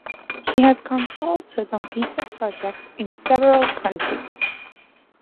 He has consulted on pizza projects in several countries.